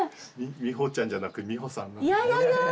美帆ちゃんじゃなくて美帆さん。